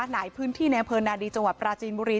ในพื้นที่ในอำเภอนาดีจังหวัดปราจีนบุรี